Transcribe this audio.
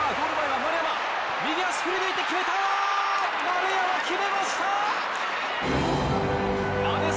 丸山、決めました！